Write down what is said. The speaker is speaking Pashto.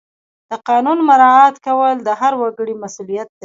د قانون مراعات کول د هر وګړي مسؤلیت دی.